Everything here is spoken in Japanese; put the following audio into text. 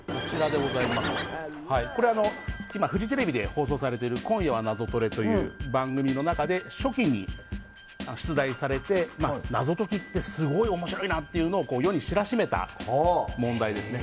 これは今フジテレビで放送されている「今夜はナゾトレ」という番組の中で初期に出題されて謎解きってすごい面白いなっていうのを世に知らしめた問題ですね。